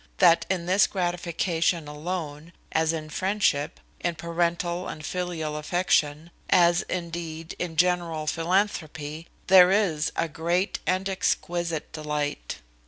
That in this gratification alone, as in friendship, in parental and filial affection, as indeed in general philanthropy, there is a great and exquisite delight.